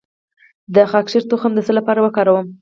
د خاکشیر تخم د څه لپاره وکاروم؟